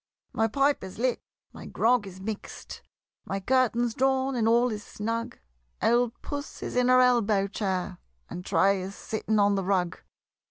My pipe is lit, my grog is mix'd, My curtains drawn and all is snug; Old Puss is in her elbow chair, And Tray is sitting on the rug.